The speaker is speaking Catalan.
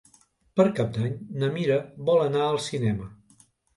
Per Cap d'Any na Mira vol anar al cinema.